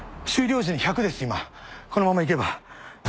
このままいけば。